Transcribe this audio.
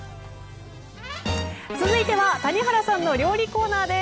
続いては谷原さんの料理コーナーです。